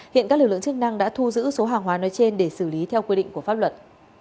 hiện các lực lượng chức năng đã thu giữ số hàng hóa nơi trên để xử lý theo quy định của pháp luật